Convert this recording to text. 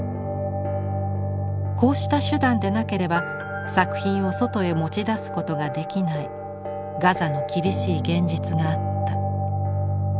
こうした手段でなければ作品を外へ持ち出すことができないガザの厳しい現実があった。